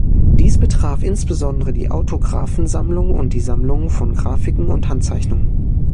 Dies betraf insbesondere die Autographensammlung und die Sammlungen von Graphiken und Handzeichnungen.